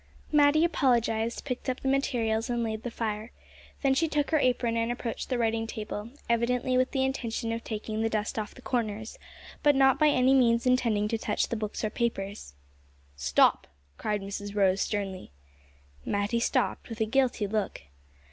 Matty apologised, picked up the materials, and laid the fire. Then she took her apron and approached the writing table, evidently with the intention of taking the dust off the corners, but not by any means intending to touch the books or papers. "Stop!" cried Mrs Rose sternly. Matty stopped with a guilty look.